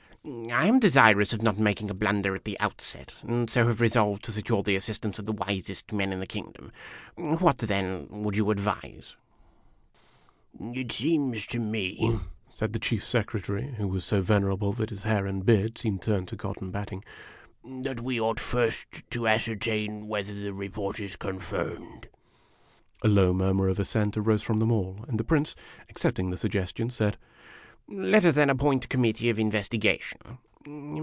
" I am desirous of not making a blunder at the outset, and so have resolved to secure the assistance of the wisest men of the kino o clom. What, then, would you advise ?'" It seems to me," said the Chief Secretary, who was so venerable that his hair and beard seemed turned to cotton batting, "that we ought first to ascertain \vhether the report is confirmed." A low murmur of assent arose from them all ; and the Prince, accepting the suggestion, said: "Let us then appoint a committee of investigation.